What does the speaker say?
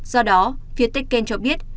do đó việt tech ken cho biết